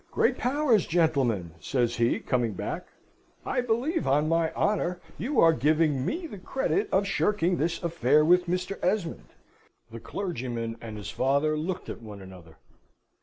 "Great powers, gentlemen!" says he, coming back, "I believe, on my honour, you are giving me the credit of shirking this affair with Mr. Esmond!" The clergyman and his father looked at one another.